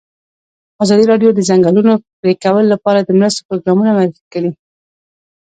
ازادي راډیو د د ځنګلونو پرېکول لپاره د مرستو پروګرامونه معرفي کړي.